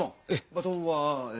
バトンはえ。